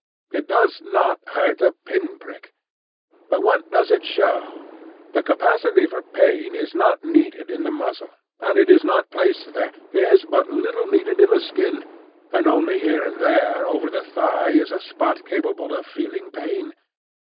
It does not hurt a pin prick. But what does it show? The capacity for pain is not needed in the muscle, and it is not placed there,—is but little needed in the skin, and only here and there over the thigh is a spot capable of feeling pain.